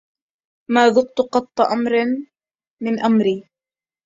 ما ذقت قط أمر من أمري